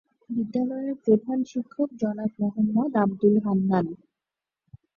বিদ্যালয়ের প্রধান শিক্ষক জনাব মোহাম্মদ আব্দুল হান্নান।